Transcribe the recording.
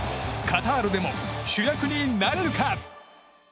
カタールでも主役になれるか？